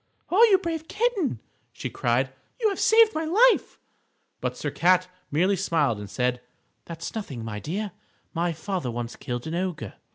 "Oh, you brave kitten!" she cried, "you have saved my life!" But Sir Cat merely smiled and said: "That's nothing, my dear; my father once killed an ogre!"